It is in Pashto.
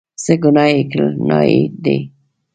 څه ګناه یې کړې، نایي دی.